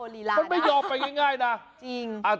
มันไม่ยอมไปง่ายนะ